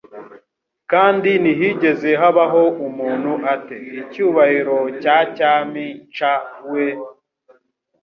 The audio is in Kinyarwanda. Kandi ntihigeze habaho umuntu Ate icyubahiro cya cyami nca we,